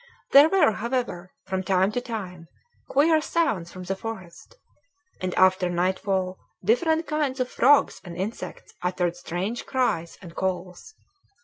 There were, however, from time to time, queer sounds from the forest, and after nightfall different kinds of frogs and insects uttered strange cries and calls.